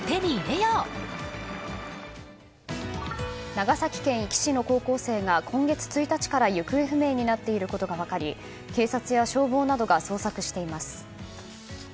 長崎県壱岐市の高校生が今月１日から行方不明になっていることが分かり警察や消防などが捜索しています。